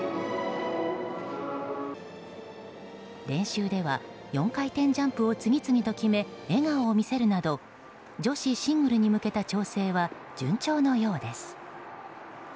練習では４回転ジャンプを次々と決め、笑顔を見せるなど女子シングルに向けた調整は順調のようです。